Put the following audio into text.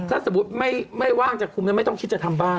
ถ้าสมมุติไม่ว่างจะคุมแล้วไม่ต้องคิดจะทำบ้าน